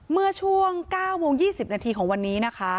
เมื่อช่วง๙วง๒๐นาทีของวันนี้